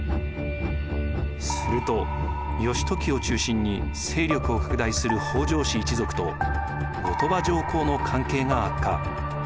すると義時を中心に勢力を拡大する北条氏一族と後鳥羽上皇の関係が悪化。